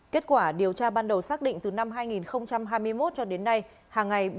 kết quả điều tra ban đầu xác định từ năm hai nghìn hai mươi một cho đến nay